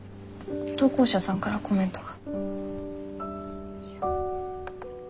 投稿者さんからコメントが。